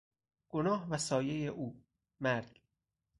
گناه و سایهی او: مرگ